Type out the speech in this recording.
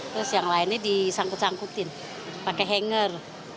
terus yang lainnya disangkut sangkutin pakai hanger